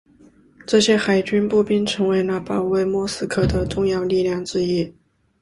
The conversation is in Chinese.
这些海军步兵成为了保卫莫斯科的重要力量之一。